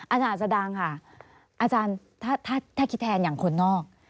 อาจารย์จะดังค่ะอาจารย์ถ้าคิดแทนอย่างคนนอก